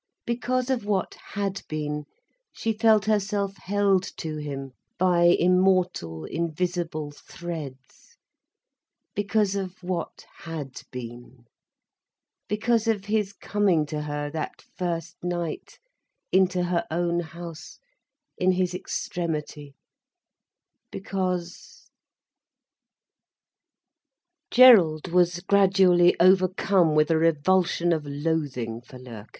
Because of what had been, she felt herself held to him by immortal, invisible threads—because of what had been, because of his coming to her that first night, into her own house, in his extremity, because— Gerald was gradually overcome with a revulsion of loathing for Loerke.